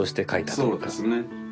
そうですね。